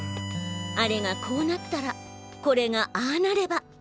あれがこうなっタラこれがああなレバ